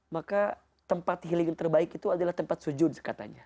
maka tempat healing yang terbaik itu adalah tempat sujud katanya